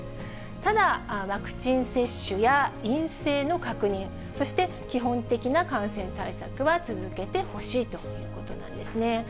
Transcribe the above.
ただ、ワクチン接種や陰性の確認、そして基本的な感染対策は続けてほしいということなんですね。